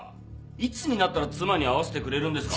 いつになったら妻に会わせてくれるんですか？